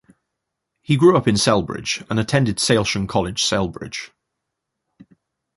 He grew up in Celbridge and attended Salesian College Celbridge.